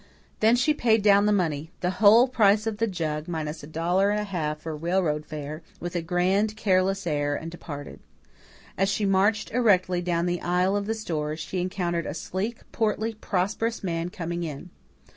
Then she paid down the money the whole price of the jug, minus a dollar and a half for railroad fare with a grand, careless air and departed. As she marched erectly down the aisle of the store, she encountered a sleek, portly, prosperous man coming in.